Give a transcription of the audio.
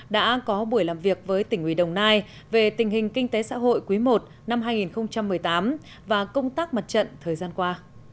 đã có buổi làm việc với tỉnh ủy đồng nai về tình hình kinh tế xã hội quý i năm hai nghìn một mươi tám và công tác mặt trận thời gian qua